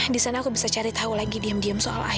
di sana aku bisa cari tahu lagi diem diem soal air